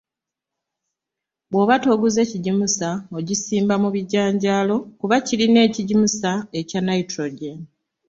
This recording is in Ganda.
Bw’oba toguze kigimusa ogisimbamu bijanjaalo kuba birina ekigimusa ekya Nitrogen.